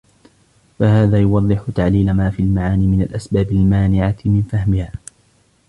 فَهَذَا يُوَضِّحُ تَعْلِيلَ مَا فِي الْمَعَانِي مِنْ الْأَسْبَابِ الْمَانِعَةِ مِنْ فَهْمِهَا